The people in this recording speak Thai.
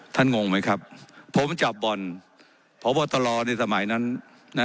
ท่านงงไหมครับผมจับบ่อนพอบอตรอในสมัยนั้นนะฮะ